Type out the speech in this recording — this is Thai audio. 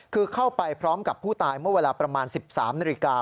คือเข้าไปพร้อมกับผู้ตายเมื่อเวลาประมาณ๑๓นาฬิกา